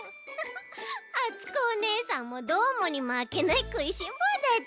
あつこおねえさんもどーもにまけないくいしんぼうだち。